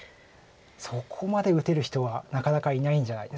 そこまで打てる人はなかなかいないんじゃないですか。